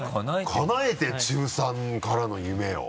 かなえてる中３からの夢を。